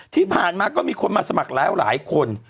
ที่ผ่านมาก็มีคนมาสมัครแล้วหลายคน